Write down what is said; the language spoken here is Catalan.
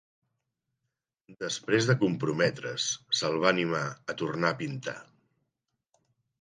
Després de comprometre's, se'l va animar a tornar a pintar.